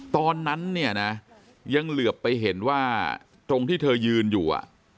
ตอนนั้นเนี่ยนะยังเหลือไปเห็นว่าตรงที่เธอยืนอยู่